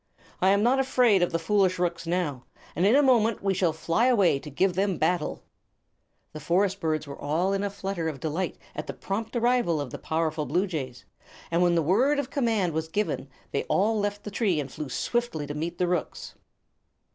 I am not afraid of the foolish rooks now, and in a moment we shall fly away to give them battle." The forest birds were all in a flutter of delight at the prompt arrival of the powerful bluejays, and when the word of command was given they all left the tree and flew swiftly to meet the rooks.